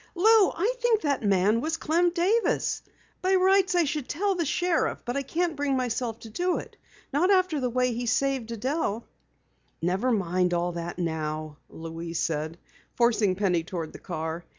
"Lou, I think that man was Clem Davis. By rights I should tell the sheriff, but I can't bring myself to do it not after the way he saved Adelle." "Never mind all that now," Louise said, forcing Penny toward the car.